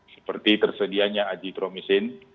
seperti tersedianya aditromisin